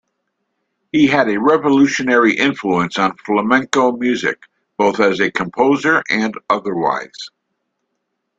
He had a revolutionary influence on flamenco music both as a composer and otherwise.